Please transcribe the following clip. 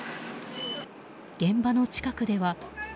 現場の近くでは。